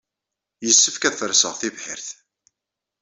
Yessefk ad ferseɣ tibḥirt.